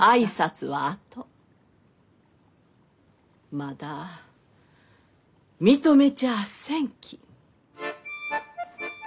まだ認めちゃあせんき。